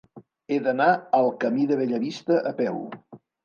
He d'anar al camí de Bellavista a peu.